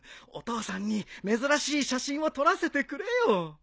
お父さんに珍しい写真を撮らせてくれよ。